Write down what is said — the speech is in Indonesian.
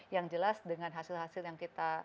yang jelas dengan hasil hasil yang kita